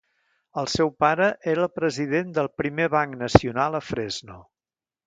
El seu pare era el president del primer banc nacional a Fresno.